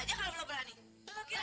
jangan ke biaya